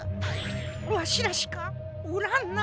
わしらしかおらんな。